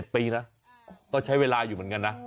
ปีนะก็ใช้เวลาอยู่เหมือนกันนะ